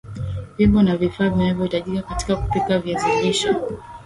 Vyombo na vifaa vinavyahitajika katika kupika viazi lishe